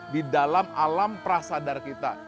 di dalam alam prasadar kita